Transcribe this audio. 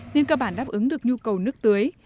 nên cơ bản đáp ứng được nhu cầu nước tưới